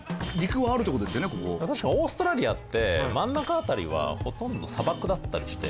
確かにオーストラリアって真ん中辺りはほとんど砂漠だったりして。